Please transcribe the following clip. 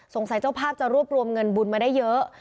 เจ้าภาพจะรวบรวมเงินบุญมาได้เยอะ